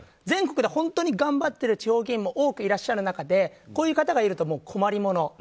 全国で本当に頑張っている地方議員も多くいらっしゃる中でこういう方がいると困り者。